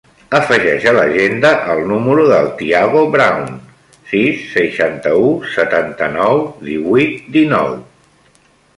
Afegeix a l'agenda el número del Tiago Brown: sis, seixanta-u, setanta-nou, divuit, dinou.